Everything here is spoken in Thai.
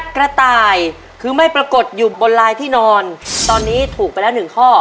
กระต่ายคือไม่ปรากฏอยู่บนลายที่นอนตอนนี้ถูกไปแล้วหนึ่งข้อ